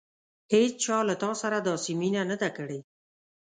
هېڅچا له تا سره داسې مینه نه ده کړې.